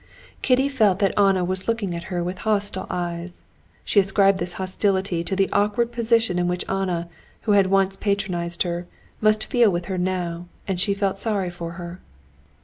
Kitty felt that Anna was looking at her with hostile eyes. She ascribed this hostility to the awkward position in which Anna, who had once patronized her, must feel with her now, and she felt sorry for her.